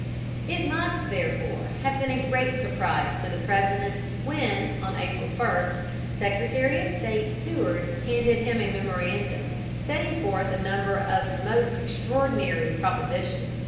It must therefore have been a great surprise to the President when, on April 1, Secretary of State Seward handed him a memorandum setting forth a number of most extraordinary propositions.